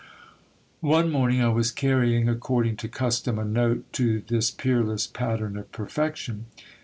One morning I was carrying, according to custom, a note to this peerless pattern of perfection.